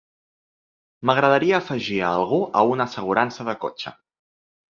M'agradaria afegir a algú a una assegurança de cotxe.